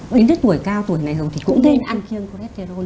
đến đứt tuổi cao tuổi này rồi thì cũng nên ăn kiêng cholesterol